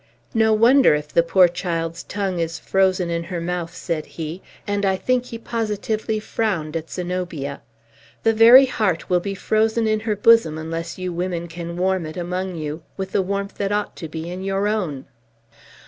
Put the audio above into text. "No wonder if the poor child's tongue is frozen in her mouth," said he; and I think he positively frowned at Zenobia. "The very heart will be frozen in her bosom, unless you women can warm it, among you, with the warmth that ought to be in your own!"